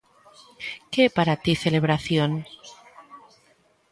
Que é para ti Celebración?